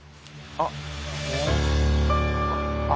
あっ。